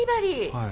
はい。